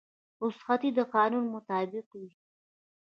رخصتي د قانون مطابق وي